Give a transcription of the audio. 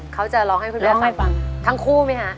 เขาจะร้องให้คุณแม่ฟังร้องให้ฟัง